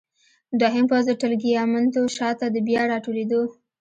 دوهم پوځ د ټګلیامنتو شاته د بیا راټولېدو.